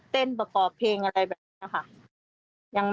ประกอบเพลงอะไรแบบนี้ค่ะ